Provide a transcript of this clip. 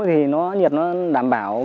thì nhiệt nó đảm bảo